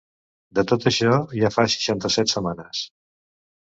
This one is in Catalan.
De tot això, ja fa seixanta-set setmanes.